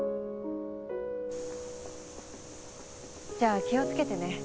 じゃあ気を付けてね。